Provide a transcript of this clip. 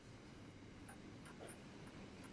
针茎姬石蛾为姬石蛾科姬石蛾属下的一个种。